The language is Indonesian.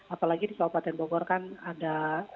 apalagi di kepala bupati bogor kan ada lima tujuh